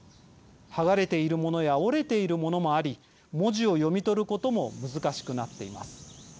はがれているものや折れているものもあり文字を読み取ることも難しくなっています。